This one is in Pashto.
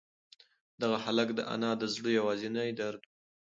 دغه هلک د انا د زړه یوازینۍ درد و.